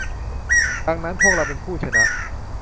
ดังนั้น พวกเราเป็นผู้ชนะ